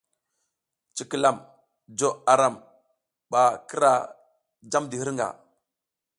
Cikilam jo aram ɓa kira jamdi hirnga.